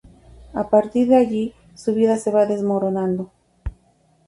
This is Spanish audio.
A partir de allí su vida se va desmoronando.